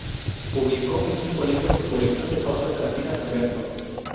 Publicó en cinco libros su colección de fábulas latinas en verso.